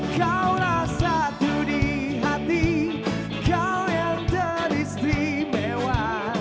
kau rasa tuh di hati kau yang teristimewa